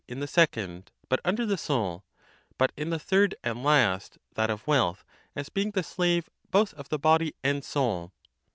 in the second, but under the soul; but in the third and last, that of wealth, as being the slave both of the body and soul.